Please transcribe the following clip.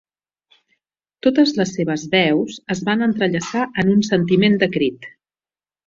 Totes les seves veus es van entrellaçar en un sentiment de crit.